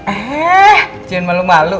eh jangan malu malu